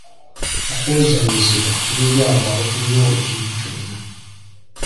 Okwozaayozebwa kuli eri abo abafunyeewo ekintu kyonna.